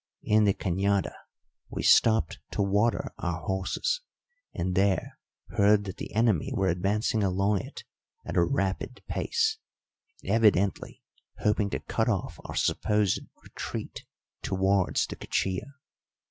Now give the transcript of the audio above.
In the cañada we stopped to water our horses, and there heard that the enemy were advancing along it at a rapid pace, evidently hoping to cut off our supposed retreat towards the Cuchilla.